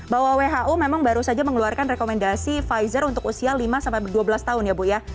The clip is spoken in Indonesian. bahwa who memang baru saja mengeluarkan rekomendasi pfizer untuk usia lima sampai dua belas tahun ya bu ya